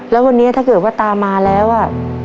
แล้ววันนี้ถ้าเกิดว่าตามาแล้วอ่ะ